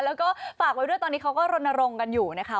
แล้วก็ฝากไว้ด้วยตอนนี้เขาก็รณรงค์กันอยู่นะคะ